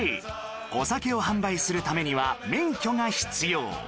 お酒を販売するためには免許が必要